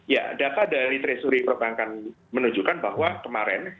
ya data dari treasury perbankan menunjukkan bahwa kemarin